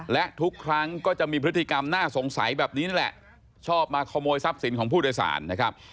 และทุกครั้งก็จะมีพฤติกรรมน่าสงสัยแบบนี้นี่แหละชอบมาขโมยทรัพย์สินของผู้โดยสารนะครับ